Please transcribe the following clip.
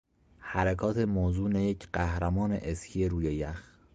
حرکات موزون یک قهرمان اسکی روی یخ